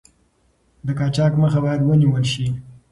د قاچاق مخه باید ونیول شي.